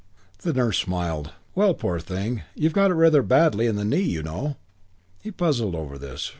The nurse smiled. "Well, poor thing, you've got it rather badly in the knee, you know." He puzzled over this.